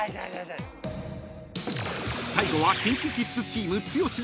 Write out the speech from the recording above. ［最後はＫｉｎＫｉＫｉｄｓチーム］